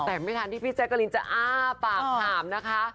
แต่ไม่ทันที่พี่แจ๊กกะลินจะอ้าปากถามนะคะ